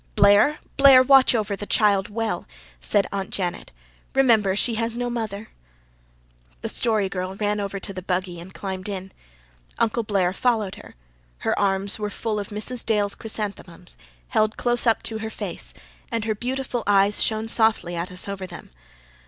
"Blair, Blair, watch over the child well," said Aunt Janet. "Remember, she has no mother." The Story Girl ran over to the buggy and climbed in. Uncle Blair followed her. Her arms were full of Mrs. Dale's chrysanthemums, held close up to her face, and her beautiful eyes shone softly at us over them.